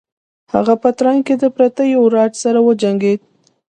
هغه په تراین کې د پرتیوي راج سره وجنګید.